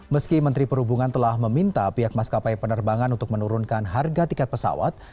meski menteri perhubungan telah meminta pihak maskapai penerbangan untuk menurunkan harga tiket pesawat